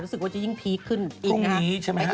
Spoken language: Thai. รู้สึกว่าจะยิ่งพีคขึ้นอีกนะฮะ